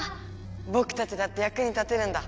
ぼくたちだってやくに立てるんだ！